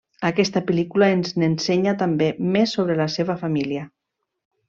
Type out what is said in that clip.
Aquesta pel·lícula ens n'ensenya també més sobre la seva família.